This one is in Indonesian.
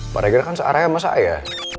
pak reger kan searah sama saya